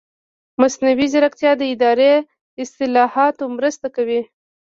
مصنوعي ځیرکتیا د اداري اصلاحاتو مرسته کوي.